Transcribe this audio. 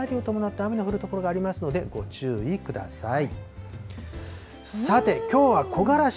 また南西諸島も雷を伴って雨の降る所がありますので、ご注意ください。